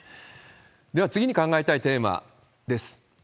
では、次に考えたいテーマです。